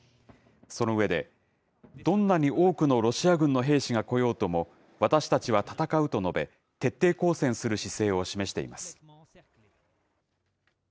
その上で、どんなに多くのロシア軍の兵士が来ようとも、私たちは戦うと述べ、徹底抗戦する姿勢を示しています。